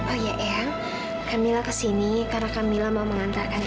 oh iya ehang kamila kesini karena kamila mau mengantarkan ini